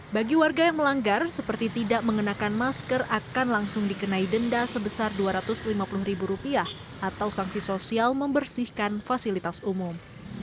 bagi warga yang melanggar seperti tidak mengenakan masker akan langsung dikenai denda sebesar dua ratus lima puluh ribu rupiah atau sanksi sosial membersihkan fasilitas umum